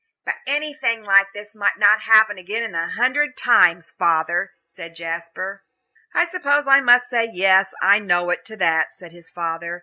"But anything like this might not happen again in a hundred times, father," said Jasper. "I suppose I must say 'yes, I know it' to that," said his father.